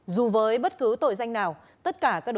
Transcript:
dù với bất cứ tội danh nào